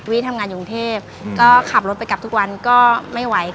วิทย์ทำงานยุงเทพฯก็ขับรถไปกลับทุกวันก็ไม่ไหว